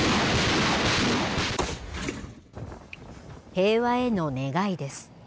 平和への願いです。